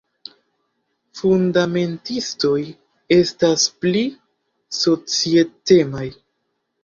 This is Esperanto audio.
fundamentistoj estas pli societemaj.